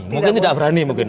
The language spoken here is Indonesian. mungkin tidak berani mungkin